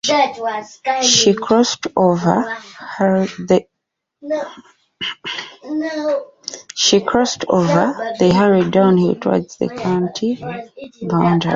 She crossed over, they hurried down hill towards the county boundary.